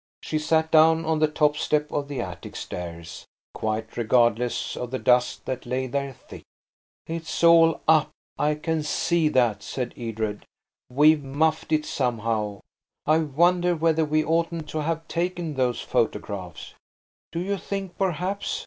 She sat down on the top step of the attic stairs, quite regardless of the dust that lay there thick. "It's all up–I can see that," said Edred. "We've muffed it somehow. I wonder whether we oughtn't to have taken those photographs." "Do you think perhaps